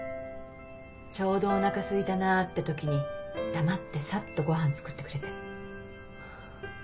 ちょうどおなかすいたなって時に黙ってサッとごはん作ってくれて。